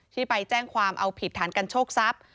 ที่ไปแจ้งความเอาผิดฐานกันโชคทรัพย์